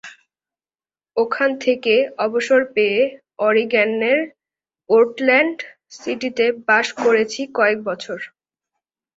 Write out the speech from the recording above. ওখান থেকে অবসর পেয়ে ওরিগ্যানের পোর্টল্যান্ড সিটিতে বাস করেছি কয়েক বছর।